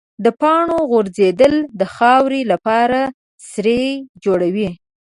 د پاڼو غورځېدل د خاورې لپاره سرې جوړوي.